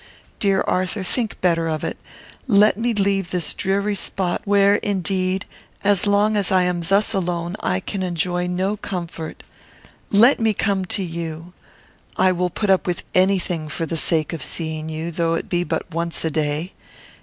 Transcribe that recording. Dear Arthur, think better of it. Let me leave this dreary spot, where, indeed, as long as I am thus alone, I can enjoy no comfort. Let me come to you. I will put up with any thing for the sake of seeing you, though it be but once a day.